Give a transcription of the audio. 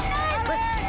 hei pergi kalian